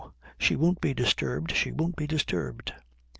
She won't be disturbed. She won't be disturbed.'